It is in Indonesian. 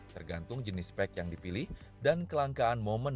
tergantung jenis spek yang dipilih dan kelangkaan momen dalam jualan